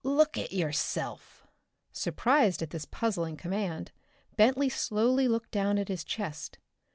"Look at yourself!" Surprised at this puzzling command, Bentley slowly looked down at his chest.